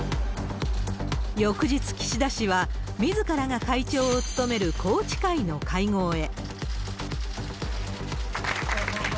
翌日、岸田氏はみずからが会長を務める宏池会の会合へ。